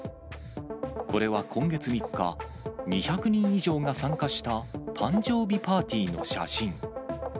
これは今月３日、２００人以上が参加した誕生日パーティーの写真。